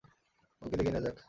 ওকে দেখে নেয়া যাক।